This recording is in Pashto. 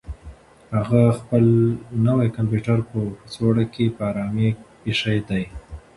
هغه خپل نوی کمپیوټر په کڅوړه کې په ارامه اېښی دی.